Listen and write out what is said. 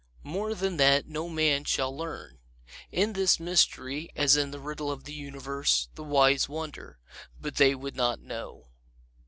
More than that no man shall learn. In this mystery, as in the riddle of the universe, the wise wonder; but they would not know.